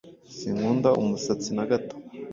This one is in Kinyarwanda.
Sinkunda umusatsi na gato.